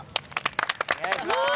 お願いします。